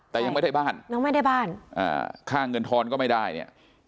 แต่ยังไม่ได้บ้านยังไม่ได้บ้านอ่าค่าเงินทอนก็ไม่ได้เนี่ย